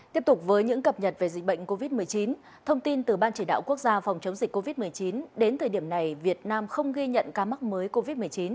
tiếp tục với những cập nhật về dịch bệnh covid một mươi chín thông tin từ ban chỉ đạo quốc gia phòng chống dịch covid một mươi chín đến thời điểm này việt nam không ghi nhận ca mắc mới covid một mươi chín